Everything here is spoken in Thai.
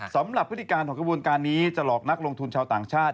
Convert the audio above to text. พฤติการของกระบวนการนี้จะหลอกนักลงทุนชาวต่างชาติ